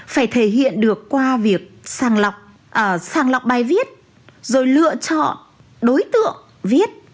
phải thể hiện được qua việc sàng lọc bài viết rồi lựa chọn đối tượng viết